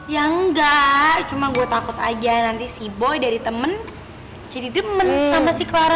ya enggak cuma gue takut aja nanti si boy dari temen jadi demen sama si keluarga